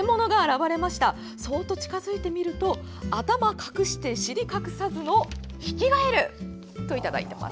近づいてみると頭隠して尻隠さずのヒキガエル！といただいています。